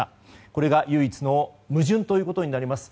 これが唯一の矛盾ということになります。